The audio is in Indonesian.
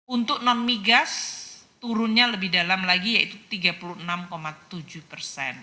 untuk non migas turunnya lebih dalam lagi yaitu tiga puluh enam tujuh persen